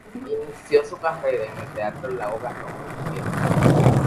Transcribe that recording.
Inició su carrera en el teatro en la obra "Romeo y Julieta".